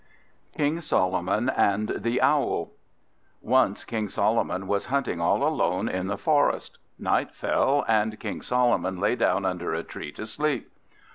King Solomon and the Owl ONCE King Solomon was hunting all alone in the forest. Night fell, and King Solomon lay down under a tree to sleep.